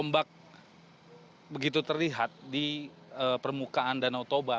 ombak begitu terlihat di permukaan danau toba